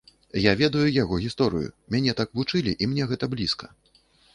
Я ведаю яго гісторыю, мяне так вучылі і мне гэта блізка.